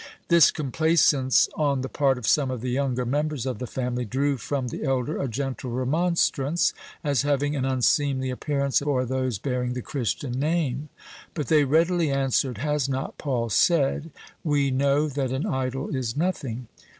This complaisance on the part of some of the younger members of the family drew from the elder a gentle remonstrance, as having an unseemly appearance for those bearing the Christian name; but they readily answered, "Has not Paul said, 'We know that an idol is nothing'?